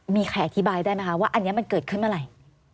มีใครอธิบายได้ไหมคะว่าอันนี้มันเกิดขึ้นเมื่อไหร่